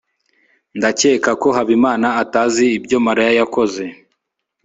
ndakeka ko habimana atazi ibyo mariya yakoze